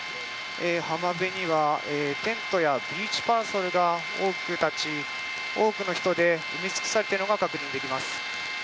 浜辺にはテントやビーチパラソルが多く立ち多くの人で埋め尽くされているのが分かります。